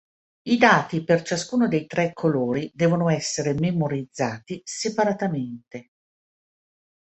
I dati per ciascuno dei tre colori devono essere memorizzati separatamente.